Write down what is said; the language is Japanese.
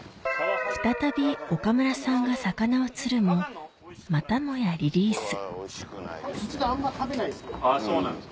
再び岡村さんが魚を釣るもまたもやリリースおいしくないですね。